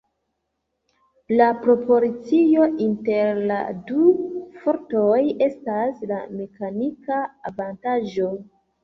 La proporcio inter la du fortoj estas la mekanika avantaĝo.